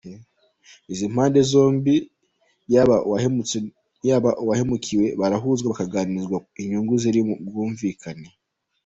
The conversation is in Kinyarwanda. Izi mpande zombi yaba uwahemutse yaba uwahemukiwe barahuzwa bakagarizwa inyungu ziri mu bwumvikane.